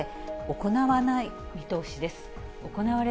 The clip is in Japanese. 行われない見通しです。